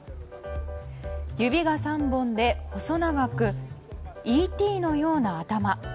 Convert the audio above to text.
指が３本で細長くＥＴのような頭。